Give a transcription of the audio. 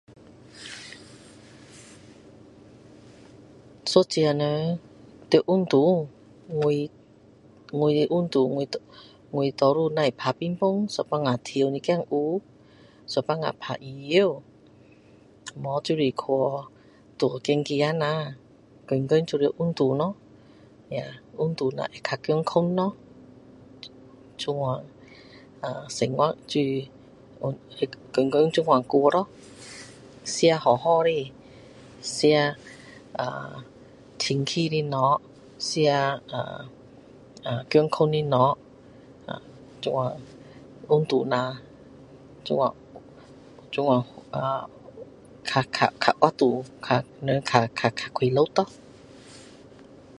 一个人要运动我运动我多数会打乒乓有时候条点舞有时候打羽球不然就是去路走走下天天都要运动咯运动下比较健康这样生活天天这样过咯吃好好的吃呃清淡的东西吃呃健康的东西这样运动下这样这样呃比较活跃人比比比较快乐咯